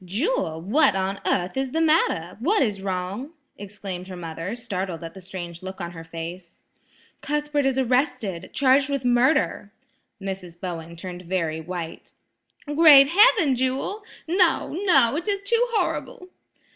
"Jewel, what on earth is the matter? What is wrong?" exclaimed her mother, startled at the strange look on her face. "Cuthbert is arrested, charged with murder!" Mrs. Bowen turned very white. "Great heaven! Jewel! No, no, it is too horrible!"